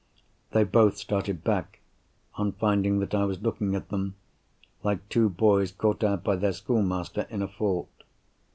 They both started back, on finding that I was looking at them, like two boys caught out by their schoolmaster in a fault.